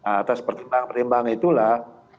atas perkembangan perkembangan itulah